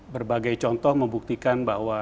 berbagai contoh membuktikan bahwa